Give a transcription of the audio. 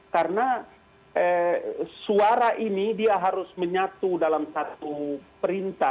karena suara ini dia harus menyatu dalam satu perintah